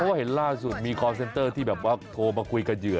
เพราะว่าเห็นล่าสุดมีคอร์เซนเตอร์ที่แบบว่าโทรมาคุยกับเหยื่อ